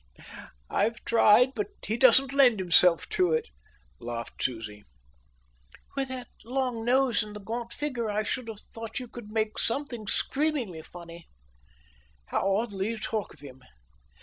"I've tried, but he doesn't lend himself to it," laughed Susie. "With that long nose and the gaunt figure I should have thought you could make something screamingly funny." "How oddly you talk of him!